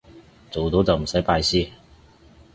做到就唔使拜師